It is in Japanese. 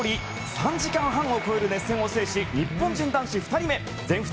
３時間半を超える熱戦を制し日本人男子２人目全仏